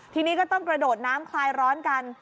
ทีนี้ก็ต้องกระโดดน้ำคลายร้อนกัน